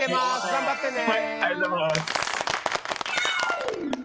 頑張ってね。